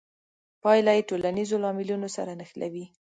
پایله یې ټولنیزو لاملونو سره نښلوي.